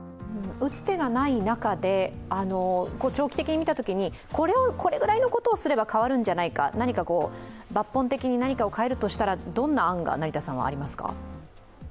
打つ手がない中で長期的に見たときにこれぐらいのことをすれば変わるんじゃないか、抜本的に何かを変えるとしたらどんな案がありますか？